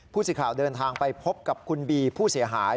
ผู้สื่อข่าวเดินทางไปพบกับคุณบีผู้เสียหาย